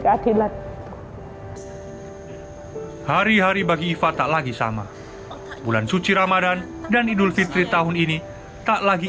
akibat hari hari bagi iva tak lagi sama bulan suci ramadhan dan idul fitri tahun ini tak lagi